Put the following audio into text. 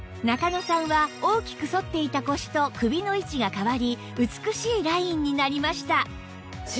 中野さんは大きく反っていた腰と首の位置が変わり美しいラインになりました